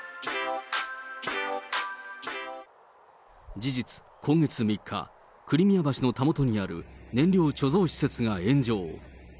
事実、今月３日、クリミア橋のたもとにある燃料貯蔵施設が炎上。